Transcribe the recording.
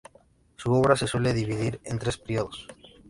Su obra se suele dividir en tres periodos.